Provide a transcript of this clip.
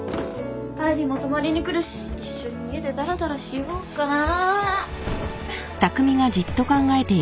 愛梨も泊まりに来るし一緒に家でだらだらしようかな。